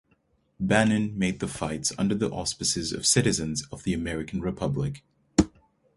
Bannon made the flights under the auspices of Citizens of the American Republic.